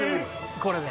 これで？